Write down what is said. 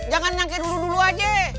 jangan nyangke dulu dulu aja